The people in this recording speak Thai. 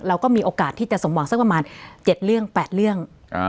เราก็มีโอกาสที่จะสมหวังสักประมาณ๗เรื่อง๘เรื่อง